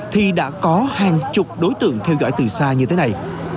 thì đã có hàng chục đối tượng theo dõi từ xa như thế này